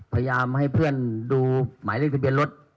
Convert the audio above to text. พยายามให้เพื่อนดูหมายเลขทะเบียนรถ